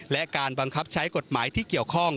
และการบังคับใช้กฎหมายที่เกี่ยวข้อง